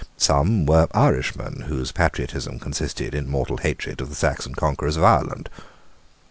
Some were Irishmen, whose patriotism consisted in mortal hatred of the Saxon conquerors of Ireland.